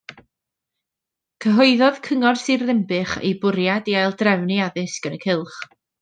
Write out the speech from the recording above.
Cyhoeddodd Cyngor Sir Ddinbych eu bwriad i aildrefnu addysg yn y cylch.